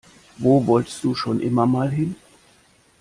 Wo wolltest du schon immer mal hin?